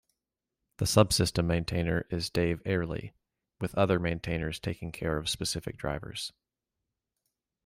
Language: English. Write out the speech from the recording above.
The subsystem maintainer is Dave Airlie, with other maintainers taking care of specific drivers.